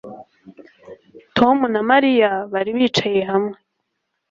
Tom na Mariya bari bicaye hamwe